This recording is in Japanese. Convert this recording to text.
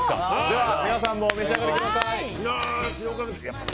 では皆さんもお召し上がりください。